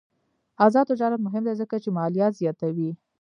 آزاد تجارت مهم دی ځکه چې مالیات زیاتوي.